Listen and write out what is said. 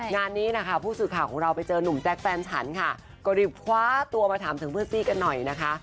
งานนี้นะคะผู้สื่อข่าวของเราไปเจอนุ่มแจ๊คแฟนฉันค่ะก็รีบคว้าตัวมาถามถึงเพื่อนซี่กันหน่อยนะคะ